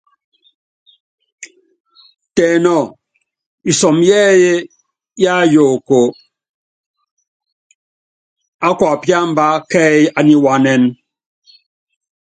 Tɛ nɔ́ɔ isɔmɔ yɛ́ɛ́yí yáyuukɔ á kuapíámbá kɛ́ɛ́yí ániwáánɛn.